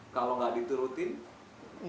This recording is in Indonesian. kalau gak diturutin